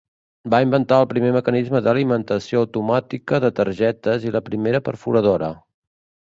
Va inventar el primer mecanisme d'alimentació automàtica de targetes i la primera perforadora.